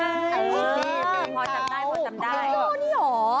อันนี้สิเพลงของโจ้โจ้นี่หรอ